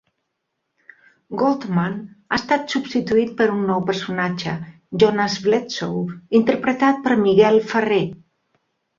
Goldman ha estat substituït per un nou personatge, Jonas Bledsoe, interpretat per Miguel Ferrer.